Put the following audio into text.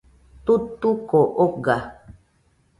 Tutuco oga.